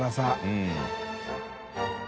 うん。